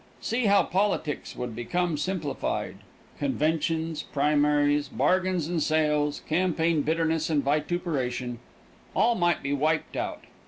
See how politics would become simplified. Conventions, primaries, bargains and sales, campaign bitterness and vituperation all might be wiped out.